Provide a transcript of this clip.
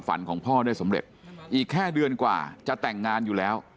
ของพ่อได้สำเร็จอีกแค่เดือนกว่าจะแต่งงานอยู่แล้ว